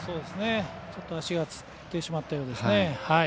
足がつってしまったようですね。